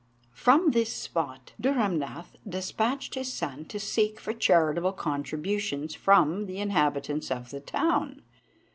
From this spot Dhurrumnath despatched his son to seek for charitable contributions from the inhabitants of the town.